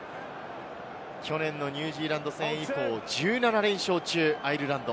去年のニュージーランド戦以降、１７連勝中のアイルランド。